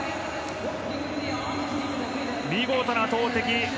見事な投てき。